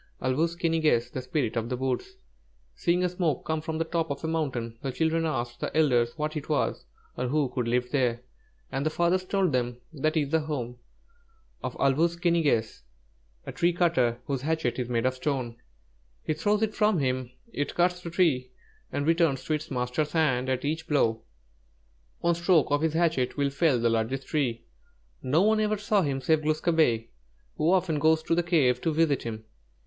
ĀL WŪS KI NI GESS, THE SPIRIT OF THE WOODS Seeing a smoke come from the top of a mountain, the children asked the elders what it was, or who could live there, and the fathers told them: "That is the home of 'Āl wūs ki ni gess,' a tree cutter, whose hatchet is made of stone. He throws it from him; it cuts the tree and returns to its master's hand at each blow. One stroke of his hatchet will fell the largest tree. No one ever saw him save Glūs kābé, who often goes to the cave to visit him.